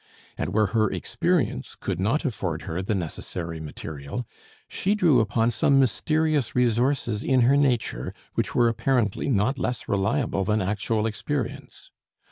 And where her experience could not afford her the necessary material, she drew upon some mysterious resources in her nature, which were apparently not less reliable than actual experience.